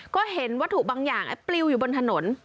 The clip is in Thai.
ก็เห็นวัตถุบางอย่างปลิวอยู่บนถนน